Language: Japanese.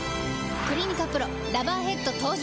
「クリニカＰＲＯラバーヘッド」登場！